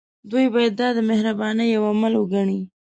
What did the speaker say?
دوی باید دا د مهربانۍ يو عمل وګڼي.